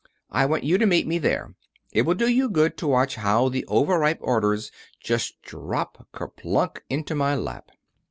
I want you to meet me there. It will do you good to watch how the overripe orders just drop, ker plunk, into my lap."